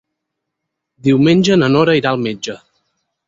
Diumenge na Nora irà al metge.